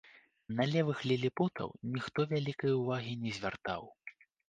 На левых ліліпутаў ніхто вялікай увагі не звяртаў.